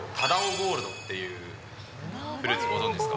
ゴールドっていうフルーツご存じですか？